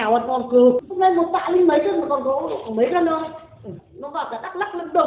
nhà hoạt hoàn cừu hôm nay nó bạ lên mấy cân mà còn có mấy cân thôi